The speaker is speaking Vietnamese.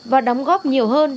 và đóng góp nhiều hơn